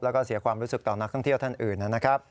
แล้วก็เสียความรู้สึกต่อนักท่องเที่ยวท่านอื่นนะครับ